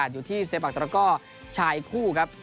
อยู่ที่เซฟอักตรกอร์ชายคู่ครับ